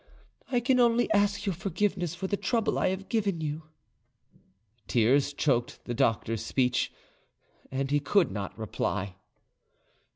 I can only ask your forgiveness for the trouble I have given you." Tears choked the doctor's speech, and he could not reply.